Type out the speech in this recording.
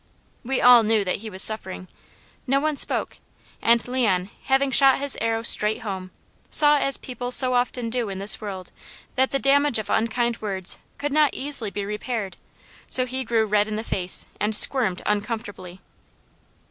We all knew that he was suffering. No one spoke, and Leon having shot his arrow straight home, saw as people so often do in this world that the damage of unkind words could not easily be repaired; so he grew red in the face and squirmed uncomfortably.